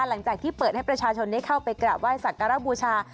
หลังจากที่เปิดให้ประชาชนได้เข้าไปกราบไห้สักการะบูชา